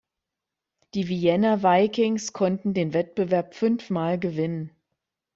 Die Vienna Vikings konnten den Wettbewerb fünfmal gewinnen.